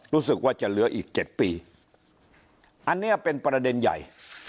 รู้สึกว่าจะเหลืออีก๗ปีอันนี้เป็นประเด็นใหญ่